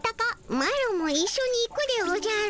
マロもいっしょに行くでおじゃる。